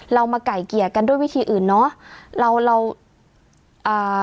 เรามาไก่เกลี่ยกันด้วยวิธีอื่นเนอะเราเราอ่า